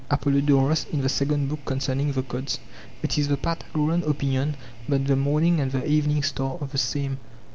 Apollodoros in the second book Concerning the gods: It is the Pythagorean opinion that the morning and the evening star are the same.